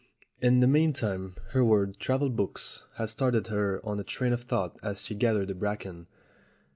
In the meantime, her word "travel books" had started her on a train of thought as she gathered the bracken.